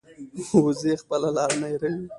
وزې خپله لار نه هېروي